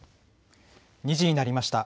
２時になりました。